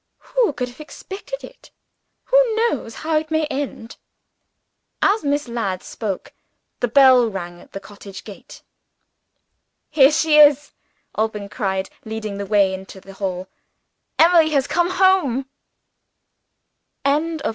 Who could have expected it? Who knows how it may end?" As Miss Ladd spoke, the bell rang at the cottage gate. "Here she is!" Alban cried, leading the way into the hall. "Emily has come home."